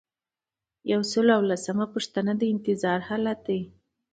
یو سل او لسمه پوښتنه د انتظار حالت دی.